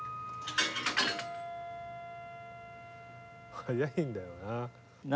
速いんだよな。